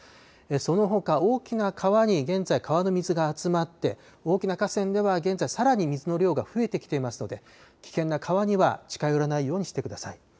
そのほか大きな川に現在、川の水が集まって、大きな河川では現在、さらに水の量が増えてきていますので、危険な川には近寄らないようにしてください。